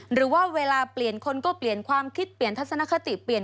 หรือว่าเวลาเปลี่ยนคนก็เปลี่ยนความคิดเปลี่ยนทัศนคติเปลี่ยน